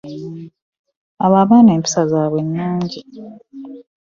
Abo abaana empisa zaabwe ennungi